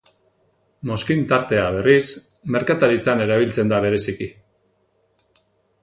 Mozkin-tartea, berriz, merkataritzan erabiltzen da bereziki.